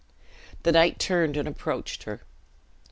The knight turned and approached her.